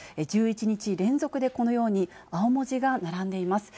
１１日連続で、このように、青文字が並んでいます。